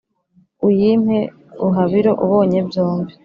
uyimpe buhabiro ubone byombi,